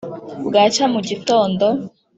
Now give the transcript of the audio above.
'bwacya mu gitondo